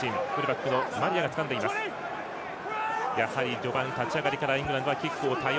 序盤、立ち上がりからイングランドはキックを多用。